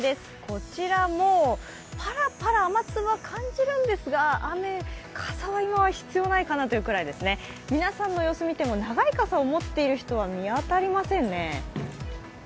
こちらもパラパラ雨粒は感じるんですが傘は今、必要ないかなというぐらいですね、皆さんの様子を見ても長い傘を持っている人は見当たりませんね。